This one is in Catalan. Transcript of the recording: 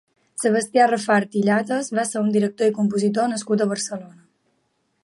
Sebastià Rafart i Llatas va ser un director i compositor nascut a Barcelona.